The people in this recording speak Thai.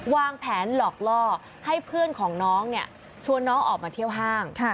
วางแผนหลอกล่อให้เพื่อนของน้องชวนน้องออกมาเที่ยวห้าง